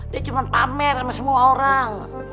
dia cuma pamer sama semua orang